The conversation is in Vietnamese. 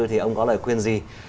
thì ông có lời khuyên gì